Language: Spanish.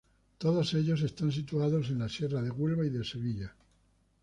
Todos ellos están situados en las sierras de Huelva y de Sevilla.